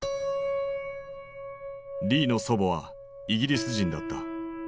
リーの祖母はイギリス人だった。